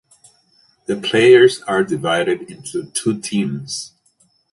The players are divided into two teams.